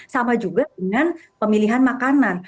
sama juga dengan pemilihan makanan